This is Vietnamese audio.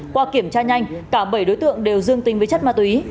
qua kiểm tra nhanh cả bảy đối tượng đều dương tính với chất ma túy